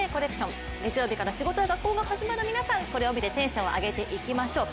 月曜日から仕事や学校が始まる皆さんこれを見てテンション上げていきましょう！